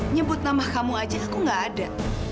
nyebut nama kamu aja aku gak ada